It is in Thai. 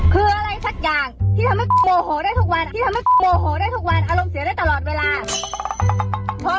คืออะไรสักอย่างที่ทำให้โมโหได้ทุกวันที่ทำให้โมโหได้ทุกวันอารมณ์เสียได้ตลอดเวลา